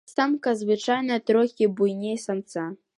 Самка звычайна трохі буйней самца.